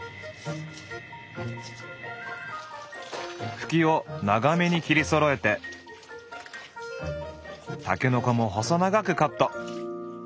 ふきを長めに切りそろえてたけのこも細長くカット。